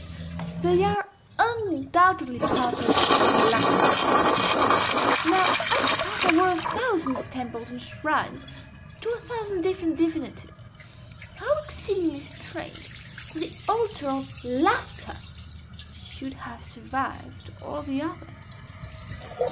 They are undoubtedly part of ΓΕΛΑΞΜΑ. Now, at Sparta were a thousand temples and shrines to a thousand different divinities. How exceedingly strange that the altar of Laughter should have survived all the others!